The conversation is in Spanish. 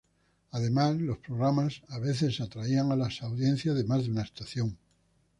Además, los programas a veces atraían a las audiencias de más de una estación.